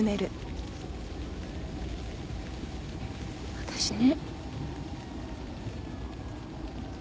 私ね。